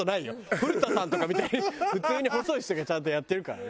古田さんとかみたいに普通に細い人がちゃんとやってるからね。